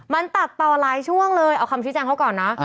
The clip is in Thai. มันตัดต่อหลายช่วงเลยเอาคำชี้แจงเขาก่อนนะ